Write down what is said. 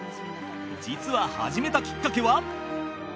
実は始めたきっかけは